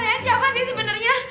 kalian siapa sih sebenernya